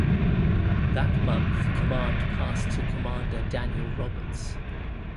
That month command passed to Commander Daniel Roberts.